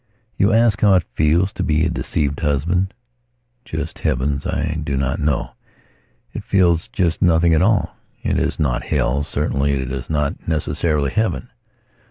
You ask how it feels to be a deceived husband. Just Heavens, I do not know. It feels just nothing at all. It is not Hell, certainly it is not necessarily Heaven.